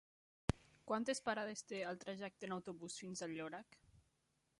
Quantes parades té el trajecte en autobús fins a Llorac?